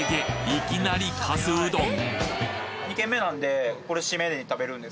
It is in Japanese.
いきなりかすうどん！？